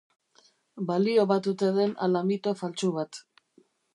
Balio bat ote den ala mito faltsu bat.